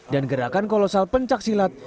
dan gerakan kolosal pencaksilat